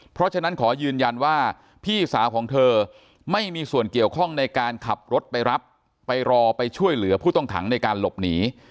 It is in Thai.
เพราะฉะนั้นขอยืนยันว่าพี่สาวของเธอไม่มีส่วนเกี่ยวข้องในการขับรถไปรับไปรอไปช่วยเหลือผู้ต้องขังในการหลบหนี